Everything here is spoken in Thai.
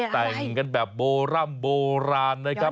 เปลี่ยนอะไรแต่งกันแบบโบร่ำโบราณนะครับ